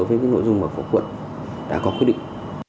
với nội dung mà quận đã có quyết định